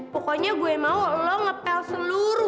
pokoknya gue mau lo ngepel seluruh